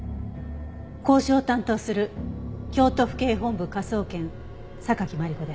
交渉を担当する京都府警本部科捜研榊マリコです。